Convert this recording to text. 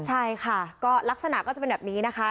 ใช่ค่ะก็ลักษณะก็จะเป็นแบบนี้นะคะ